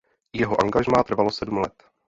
Jeho angažmá trvalo sedm let.